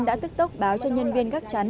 đã tức tốc báo cho nhân viên gác chắn